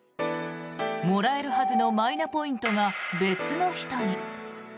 もらえるはずのマイナポイントが別の人に。